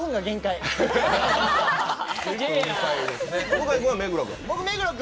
向井君は目黒君。